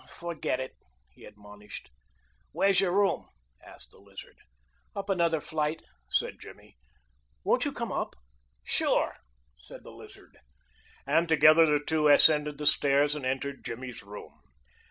"Forget it," he admonished. "Where's your room?" asked the Lizard. "Up another flight," said Jimmy. "Won't you come up?" "Sure," said the Lizard, and together the two ascended the stairs and entered Jimmy's room.